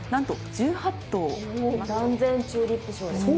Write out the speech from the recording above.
断然チューリップ賞ですね。